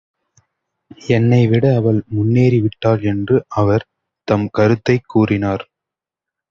என்னைவிட அவள் முன்னேறி விட்டாள் என்று அவர் தம் கருத்தைக் கூறினார்.